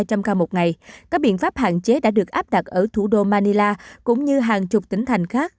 trong ca một ngày các biện pháp hạn chế đã được áp đặt ở thủ đô manila cũng như hàng chục tỉnh thành khác